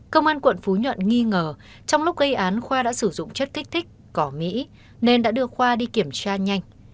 công an quận phú nhuận nghi ngờ trong lúc gây án khoa đã sử dụng chất kích thích cỏ mỹ nên đã đưa khoa đi kiểm tra nhanh